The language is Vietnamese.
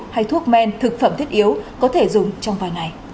hay thuốc men thực phẩm thiết yếu có thể dùng trong vài ngày